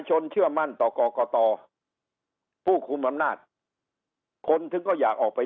เชื่อมั่นต่อกรกตผู้คุมอำนาจคนถึงก็อยากออกไป